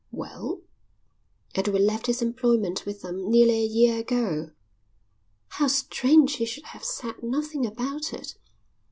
"Well?" "Edward left his employment with them nearly a year ago." "How strange he should have said nothing about it!"